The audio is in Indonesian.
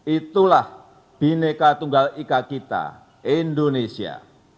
itulah bineka tunggal ika kita indonesia